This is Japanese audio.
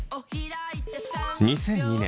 ２００２年